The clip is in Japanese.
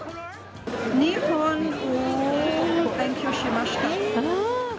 日本語を勉強しました。